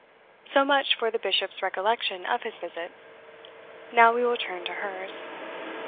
So much for the Bishop's recollection of his visit. Now we will turn to hers.